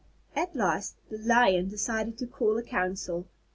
At last the Lion decided to call a council.